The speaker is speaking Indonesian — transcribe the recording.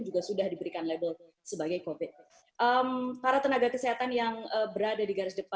juga sudah diberikan label sebagai covid para tenaga kesehatan yang berada di garis depan